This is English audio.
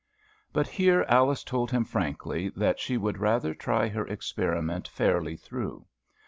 But here Alice told him frankly that she would rather try her experiment fairly through.